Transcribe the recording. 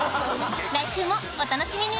来週もお楽しみに！